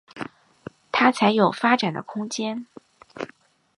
他才有发展的空间